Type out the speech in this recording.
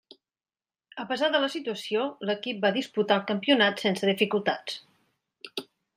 A pesar de la situació, l'equip va disputar el campionat sense dificultats.